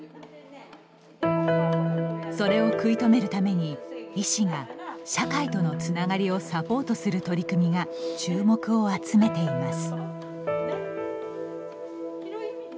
それを食い止めるために医師が社会とのつながりをサポートする取り組みが注目を集めています。